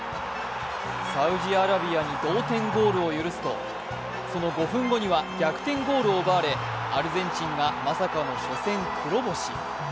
サウジアラビアに同点ゴールを許すとその５分後には逆転ゴールを奪われアルゼンチンがまさかの初戦黒星。